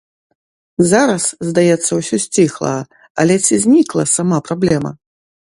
Зараз, здаецца, усё сціхла, але ці знікла сама праблема?